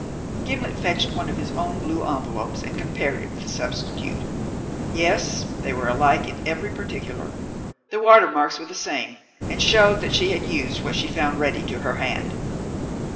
Gimblet fetched one of his own blue envelopes and compared it with the substitute. Yes, they were alike in every particular. The watermarks were the same and showed that she had used what she found ready to her hand.